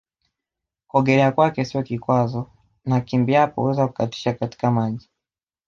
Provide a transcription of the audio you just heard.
Kuogelea kwake sio kikwazo na akimbiaapo huaweza kukatisha katika maji